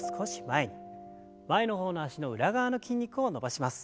前の方の脚の裏側の筋肉を伸ばします。